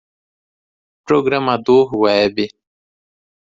Programador Web.